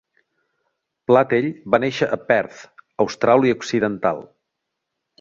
Platell va néixer a Perth, Austràlia Occidental.